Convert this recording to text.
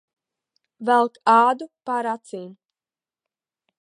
Velk ādu pār acīm.